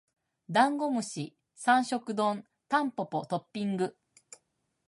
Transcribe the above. ダンゴムシ三食丼タンポポトッピング